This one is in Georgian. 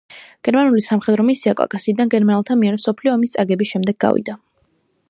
გერმანული სამხედრო მისია კავკასიიდან გერმანელთა მიერ მსოფლიო ომის წაგების შემდეგ გავიდა.